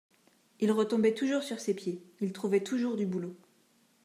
il retombait toujours sur ses pieds, il trouvait toujours du boulot